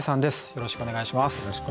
よろしくお願いします。